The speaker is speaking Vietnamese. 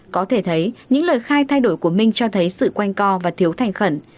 có thể thấy những lời khai thay đổi của minh cho thấy sự quanh co và thiếu thành khẩn